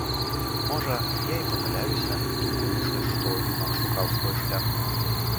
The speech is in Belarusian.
Можа, я і памыляюся, думаючы, што юнак шукаў свой шлях.